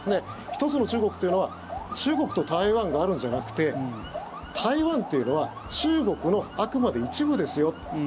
一つの中国というのは中国と台湾があるんじゃなくて台湾というのは中国のあくまで一部ですよ